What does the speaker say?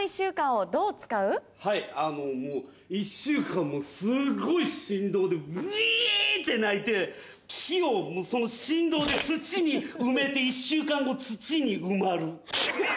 １週間すごい振動でブイ！って鳴いて木の振動で土に埋めて１週間後土に埋まる。